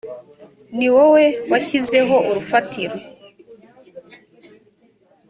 ni wowe washyizeho urufatiro